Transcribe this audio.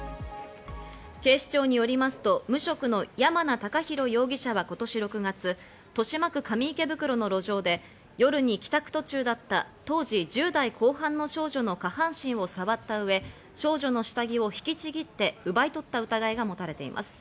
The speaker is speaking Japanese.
警視庁によりますと無職の山名孝弘容疑者は今年６月、豊島区上池袋の路上で夜に帰宅途中だった当時１０代後半の少女の下半身を触った上、少女の下着を引きちぎって奪い取った疑いがもたれています。